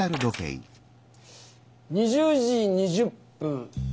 ２０時２０分。